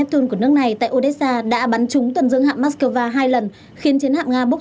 neptune của nước này tại odessa đã bắn trúng tần dương hạng moskva hai lần khiến chiến hạng nga bốc